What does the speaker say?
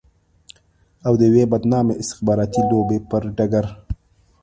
او د يوې بدنامې استخباراتي لوبې پر ډګر.